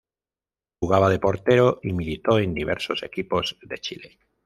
Jugaba de portero y militó en diversos equipos de Chile.